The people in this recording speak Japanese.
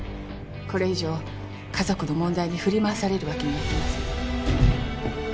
これ以上家族の問題に振り回されるわけにはいきません。